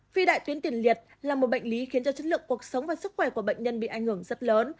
phi đại tuyến tiền liệt là một bệnh lý khiến cho chất lượng cuộc sống và sức khỏe của bệnh nhân bị ảnh hưởng rất lớn